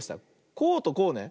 こうとこうね。